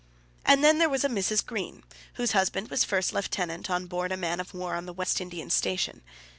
And then was there a Mrs. Green, whose husband was first lieutenant on board a man of war on the West Indian Station.